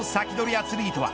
アツリートは